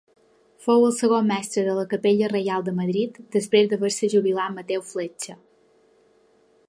Fou el segon mestre de la capella Reial de Madrid, després d'haver-se jubilat Mateu Fletxa.